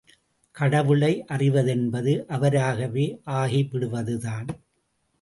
கடவுளை அறிவதென்பது அவராகவே ஆகிவிடுவதுதான்.